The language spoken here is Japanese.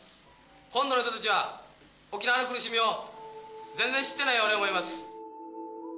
本土の人たちは、沖縄の苦しみを全然知ってないように思います。